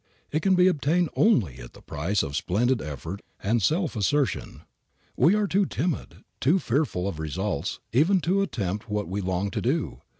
It can be obtained only at the price of splendid effort and self assertion. We are too timid, too fearful of results even to attempt what we long to do.